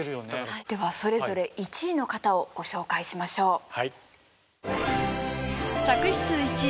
ではそれぞれ１位の方をご紹介しましょう。